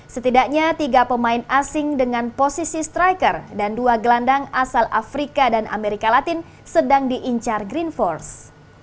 setidaknya tiga pemain asing dengan posisi striker dan dua gelandang asal afrika dan amerika latin sedang diincar green force